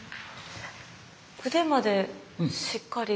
腕までしっかり。